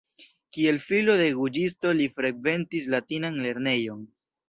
Kiel filo de juĝisto li frekventis latinan lernejon.